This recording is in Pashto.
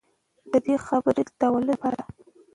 د ده خبرې د ولس لپاره دي.